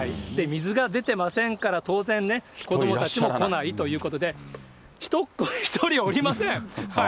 水が出てませんから、当然ね、子どもたちも来ないということで、人っ子一人おりません。